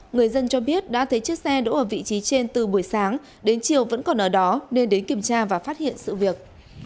người dân cho biết đã thấy chiếc xe đỗ ở vị trí trên từ buổi sáng đến chiều vẫn còn ở đó nên đến kiểm tra và phát hiện sự việc